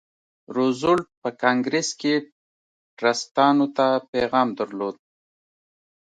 روزولټ په کانګریس کې ټرستانو ته پیغام درلود.